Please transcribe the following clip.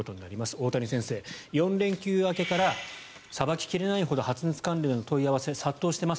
大谷先生、４連休明けからさばき切れないほど発熱関連の問い合わせが殺到しています。